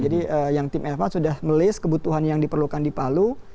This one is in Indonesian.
jadi yang tim edvan sudah melis kebutuhan yang diperlukan di palu